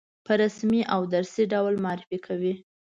په رسمي او درسي ډول معرفي کوي.